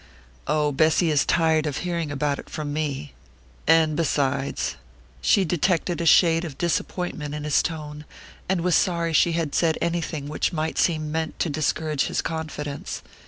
"Oh, Bessy is tired of hearing about it from me; and besides " She detected a shade of disappointment in his tone, and was sorry she had said anything which might seem meant to discourage his confidence.